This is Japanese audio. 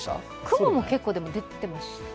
雲も結構出てましたね。